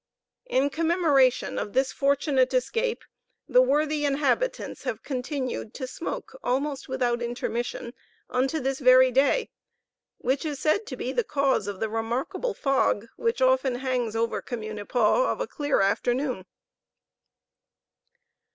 In commemoration of this fortunate escape, the worthy inhabitants have continued to smoke almost without intermission unto this very day, which is said to be the cause of the remarkable fog which often hangs over Communipaw of a clear afternoon.